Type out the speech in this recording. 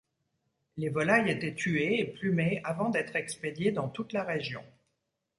Les volailles étaient tuées et plumées avant d'être expédiées dans toute la région.